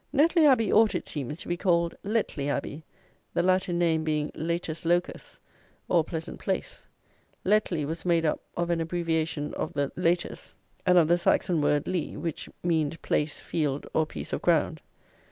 Netley Abbey ought, it seems, to be called Letley Abbey, the Latin name being Lætus Locus, or Pleasant Place. Letley was made up of an abbreviation of the Lætus and of the Saxon word ley, which meaned place, field, or piece of ground.